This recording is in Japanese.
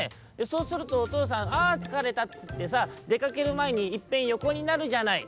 「そうするとおとうさんああつかれたっていってさでかけるまえにいっぺんよこになるじゃない」。